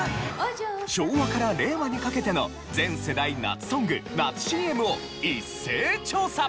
昭和から令和にかけての全世代夏ソング夏ＣＭを一斉調査！